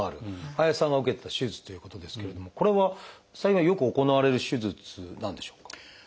林さんが受けてた手術ということですけれどもこれは最近はよく行われる手術なんでしょうか？